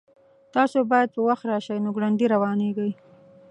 تاسو باید په وخت راشئ نو ګړندي روانیږئ